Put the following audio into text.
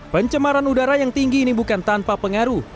pencemaran udara yang tinggi ini bukan tanpa pengaruh